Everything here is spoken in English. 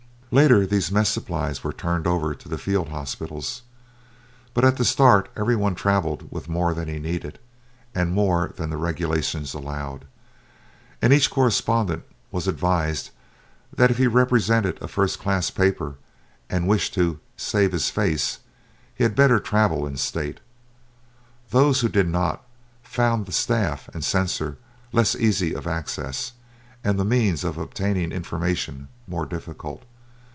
Later these mess supplies were turned over to the field hospitals, but at the start every one travelled with more than he needed and more than the regulations allowed, and each correspondent was advised that if he represented a first class paper and wished to "save his face" he had better travel in state. Those who did not, found the staff and censor less easy of access, and the means of obtaining information more difficult.